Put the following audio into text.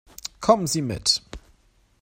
Kommen Sie mit.